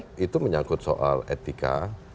karena itu menyangkut soal etika